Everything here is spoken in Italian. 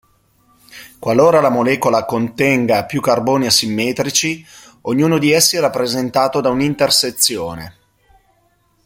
Qualora la molecola contenga più carboni asimmetrici, ognuno di essi è rappresentato da un'intersezione.